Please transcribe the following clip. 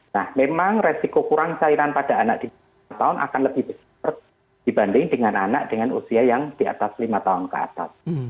nah memang resiko kurang cairan pada anak di bawah lima tahun akan lebih besar dibanding dengan anak dengan usia yang di atas lima tahun ke atas